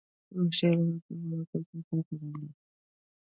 وحشي حیوانات د افغان کلتور سره تړاو لري.